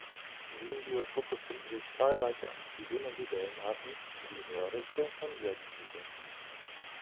In diesem Biotop befinden sich zahlreiche Amphibien- und Libellenarten sowie Röhrichte und Seggenriede.